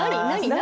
何？